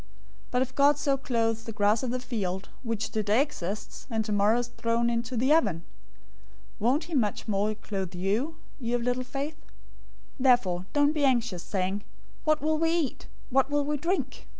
006:030 But if God so clothes the grass of the field, which today exists, and tomorrow is thrown into the oven, won't he much more clothe you, you of little faith? 006:031 "Therefore don't be anxious, saying, 'What will we eat?', 'What will we drink?'